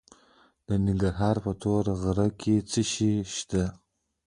د ننګرهار په تور غره کې څه شی شته؟